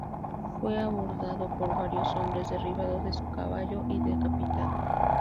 Fue abordado por varios hombres, derribado de su caballo y decapitado.